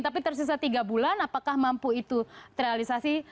tapi tersisa tiga bulan apakah mampu itu terrealisasi